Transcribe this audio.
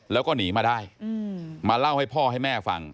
แล้วก็หนีมาได้มาเล่าให้พ่อให้แม่ฟัง